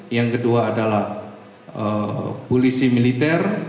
yang kedua adalah polisi militer